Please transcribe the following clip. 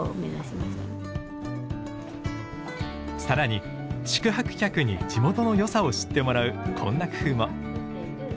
更に宿泊客に地元の良さを知ってもらうこんな工夫も。